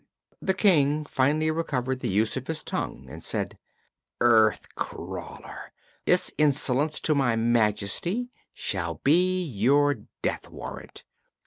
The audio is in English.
The King finally recovered the use of his tongue and said: "Earth crawler! this insolence to my majesty shall be your death warrant.